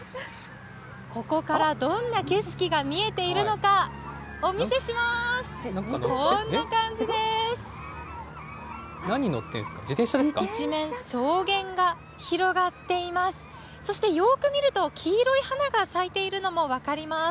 ここからどんな景色が見えているのか、お見せします。